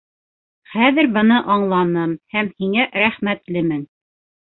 Хәҙер быны аңланым һәм һиңә рәхмәтлемен.